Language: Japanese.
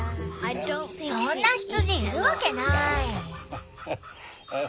そんな羊いるわけない！